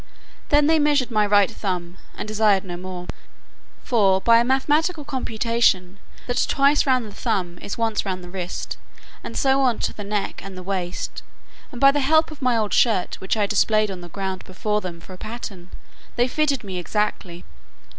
Then they measured my right thumb, and desired no more; for by a mathematical computation, that twice round the thumb is once round the wrist, and so on to the neck and the waist, and by the help of my old shirt, which I displayed on the ground before them for a pattern, they fitted me exactly.